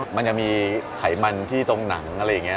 มันจะมีไขมันที่ตรงหนังอะไรอย่างนี้